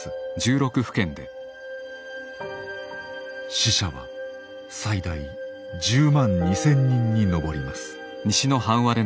死者は最大１０万２，０００人に上ります。